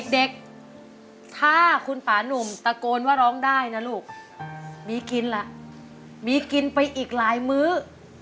เด็กถ้าคุณป่านุ่มตะโกนว่าร้องได้นะลูกมีกินล่ะมีกินไปอีกหลายมื้อ